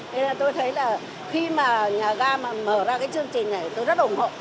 nên là tôi thấy là khi mà nhà ga mà mở ra cái chương trình này tôi rất ủng hộ